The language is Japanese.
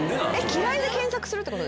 「嫌い」で検索するってこと？